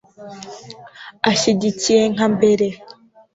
Ashyigikiye nka mbere